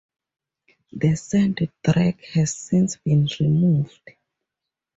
The sand drag has since been removed.